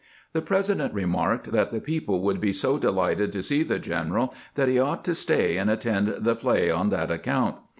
The President remarked that the people would be so delighted to see the general that he ought to stay and attend the play on that account.